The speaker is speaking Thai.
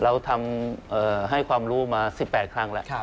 เราทำให้ความรู้มา๑๘ครั้งแล้ว